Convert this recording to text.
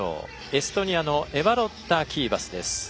エストニアのエバロッタ・キーバスです。